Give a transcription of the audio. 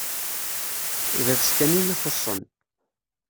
D iḍes kan iyi-ixuṣṣen.